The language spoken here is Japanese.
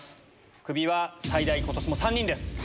クビは最大ことしも３人です。